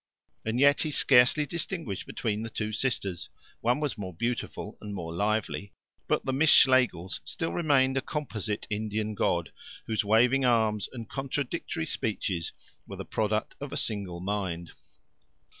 As yet he scarcely distinguished between the two sisters. One was more beautiful and more lively, but "the Miss Schlegels" still remained a composite Indian god, whose waving arms and contradictory speeches were the product of a single mind.